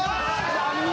残念！